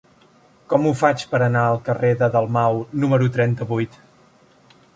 Com ho faig per anar al carrer de Dalmau número trenta-vuit?